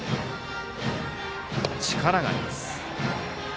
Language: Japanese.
力があります。